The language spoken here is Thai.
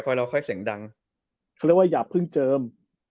ครึ่งว่าอย่าเพิ่งเจิม